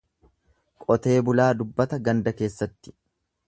Qotee bulaa dubbata ganda keessatti.